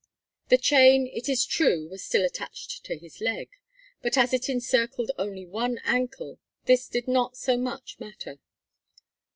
The chain, it is true, was still attached to his leg; but as it encircled only one ankle, this did not so much matter.